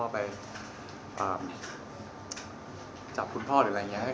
ไปจับคุณพ่อหรืออะไรอย่างนี้